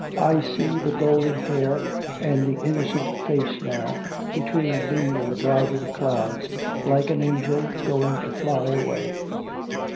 I see the golden hair and the innocent face now, between me and the driving clouds, like an angel going to fly away.